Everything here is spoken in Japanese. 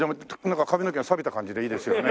なんか髪の毛がさびた感じでいいですよね。